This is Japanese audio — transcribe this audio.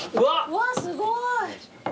うわっすごい。